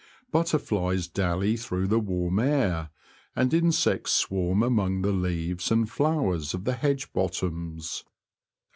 Butterflies dally through the warm air, and insects swarm among the leaves and flowers of the hedge bottoms.